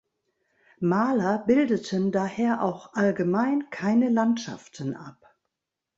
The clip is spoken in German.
Maler bildeten daher auch allgemein keine Landschaften ab.